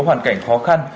hoàn cảnh khó khăn